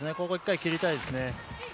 １回切りたいですね。